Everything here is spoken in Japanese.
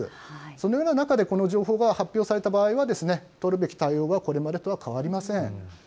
そのような中で、この情報が発表された場合は、取るべき対応はこれまでと変わりません。